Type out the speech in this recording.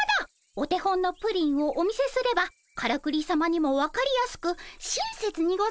お手本のプリンをお見せすればからくりさまにも分かりやすく親切にございますね。